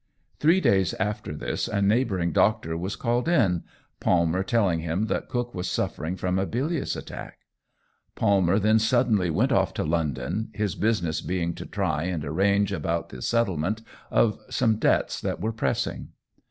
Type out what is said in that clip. Three days after this a neighbouring doctor was called in, Palmer telling him that Cook was suffering from a bilious attack. Palmer then suddenly went off to London, his business being to try and arrange about the settlement of some debts that were pressing.